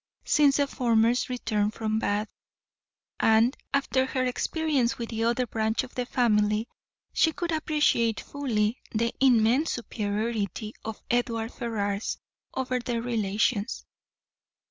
Since the former's return from Bath, and after her experiences there of the other branch of the family, she could appreciate fully the immense superiority of the Edward Ferrars over their relations.